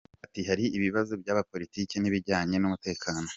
Ati “Hari ibibazo bya politiki n’ibijyanye n’umutekano.